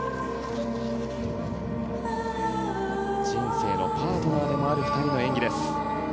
人生のパートナーでもある２人の演技です。